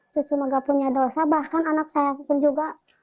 cucu maga punya dosa bahkan anak saya pun juga